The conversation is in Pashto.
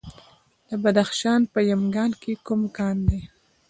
د بدخشان په یمګان کې کوم کان دی؟